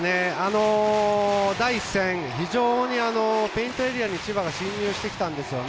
第１戦、非常にペイントエリアに千葉が侵入してきたんですよね。